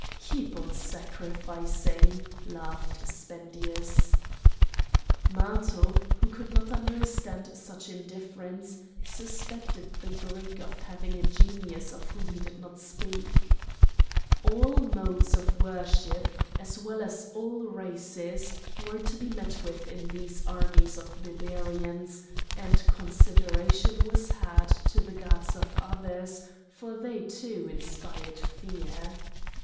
"Keep on sacrificing!" laughed Spendius. Matho, who could not understand such indifference, suspected the Greek of having a genius of whom he did not speak. All modes of worship, as well as all races, were to be met with in these armies of Barbarians, and consideration was had to the gods of others, for they too, inspired fear.